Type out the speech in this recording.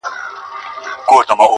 خو لستوڼي مو تل ډک وي له مارانو!!